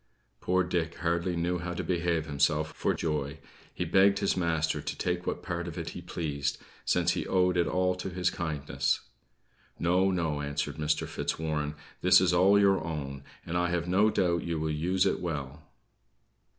Poor Dick hardly knew how to behave himself for joy. He begged his master to take what part of it he pleased, since he owed it all to his kindness. "No, no," answered Mr. Fitzwarren, "this is all your own; and I have no doubt you will use it well."